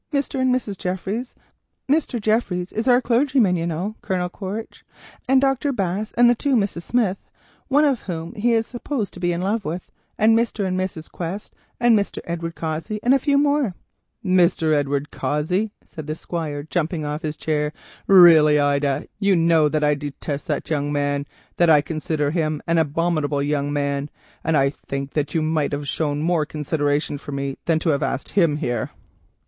Mr. and Mrs. Jeffries—Mr. Jeffries is our clergyman, you know, Colonel Quaritch—and Dr. Bass and the two Miss Smiths, one of whom he is supposed to be in love with, and Mr. and Mrs. Quest, and Mr. Edward Cossey, and a few more." "Mr. Edward Cossey," said the Squire, jumping off his chair; "really, Ida, you know I detest that young man, that I consider him an abominable young man; and I think you might have shown more consideration to me than to have asked him here."